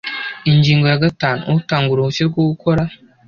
Ingingo ya gatanu Utanga uruhushya rwo gukora